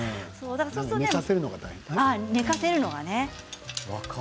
寝かせるのが大変。